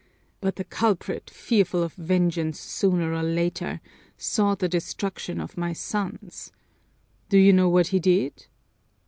But the culprit, fearful of vengeance sooner or later, sought the destruction of my sons. Do you know what he did?